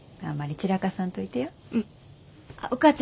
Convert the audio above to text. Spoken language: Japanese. あんまり散らかさんといてよ。